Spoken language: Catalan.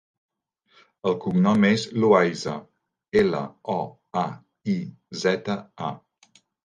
El cognom és Loaiza: ela, o, a, i, zeta, a.